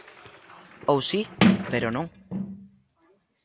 Ou si, pero non.